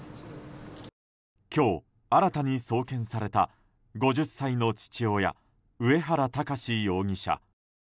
今日、新たに送検された５０歳の父親・上原巌容疑者。